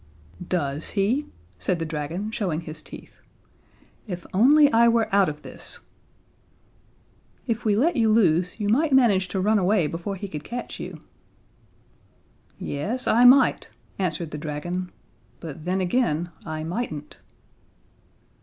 "Does he?" said the dragon, showing his teeth. "If only I were out of this!" "If we let you loose you might manage to run away before he could catch you." "Yes, I might," answered the dragon, "but then again I mightn't."